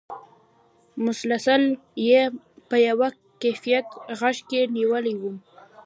مسلسل یې په یوه کیفیت غېږ کې نېولی وم.